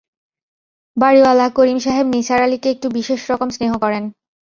বাড়িওয়ালা করিম সাহেব নিসার আলিকে একটু বিশেষ রকম স্নেহ করেন।